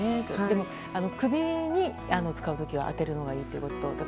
首に使う時は当てるのがいいということです。